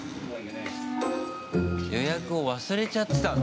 予約を忘れちゃってたの？